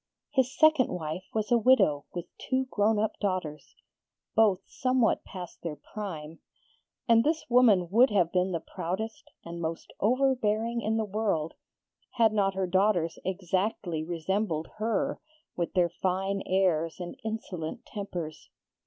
His second wife was a widow with two grown up daughters, both somewhat past their prime, and this woman would have been the proudest and most overbearing in the world had not her daughters exactly resembled her with their fine airs and insolent tempers.